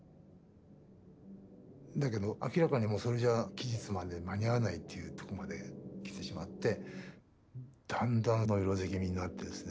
だけど明らかにもうそれじゃあ期日まで間に合わないっていうとこまで来てしまってだんだんノイローゼ気味になってですね